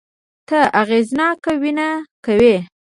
ته اغېزناکه وينه کوې